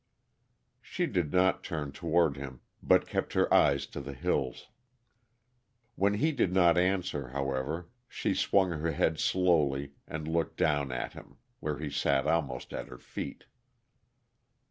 She did not turn toward him, but kept her eyes to the hills. When he did not answer, however, she swung her head slowly and looked down at him, where he sat almost at her feet.